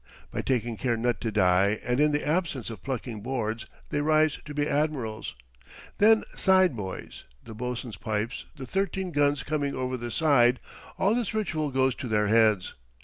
By taking care not to die, and in the absence of plucking boards, they rise to be admirals. Then side boys, the bosun's pipes, the 13 guns coming over the side all this ritual goes to their heads.